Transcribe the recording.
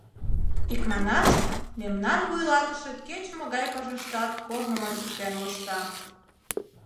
Икманаш, мемнан вуйлатыше кеч-могай пашаштат корным ончыктен мошта.